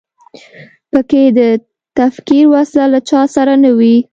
په کې د تکفیر وسله له چا سره نه وي.